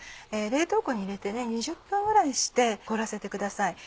冷凍庫に入れて２０分ぐらい凍らせてください。